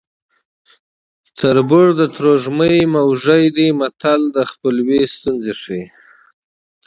تربور د ترږمې موږی دی متل د خپلوۍ ستونزې ښيي